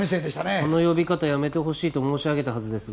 その呼び方やめてほしいと申し上げたはずですが。